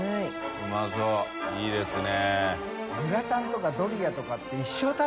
うまそうですね。